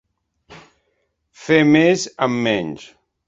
Fer més amb menys!